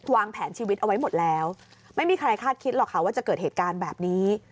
วางแผนชีวิตเอาไว้หมดแล้วไม่มีใครคาดคิดหรอกค่ะว่าจะเกิดเหตุการณ์แบบนี้